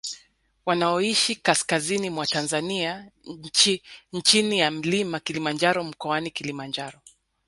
Wanaoishi kaskazini mwa Tanzania chini ya mlima Kilimanjaro mkoani Kilimanjaro